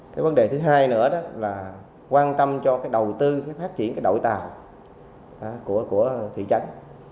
cái vấn đề thứ hai nữa đó là quan tâm cho cái đầu tư phát triển cái đội tàu của thị trấn